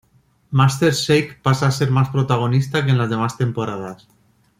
Master Shake pasa a ser más protagonista que en las demás temporadas.